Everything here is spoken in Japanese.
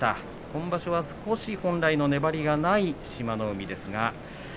今場所は少し本来の粘りがない志摩ノ海です。